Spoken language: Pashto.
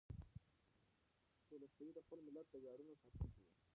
تولستوی د خپل ملت د ویاړونو ساتونکی و.